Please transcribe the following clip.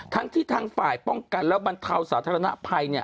ทั้งที่ทางฝ่ายป้องกันและบรรเทาสาธารณภัย